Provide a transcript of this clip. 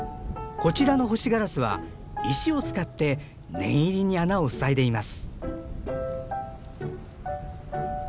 こちらのホシガラスは石を使って念入りに穴を塞いでいます。